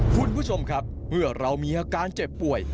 คุณผู้ชมครับเมื่อเรามีอาการเจ็บป่วย